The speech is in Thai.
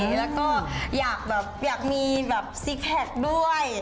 แล้วก็อยากมีซีทแพคด้วย